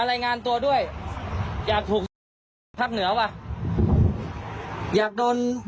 กูมาถึงภาคเหนือแล้วเนี่ย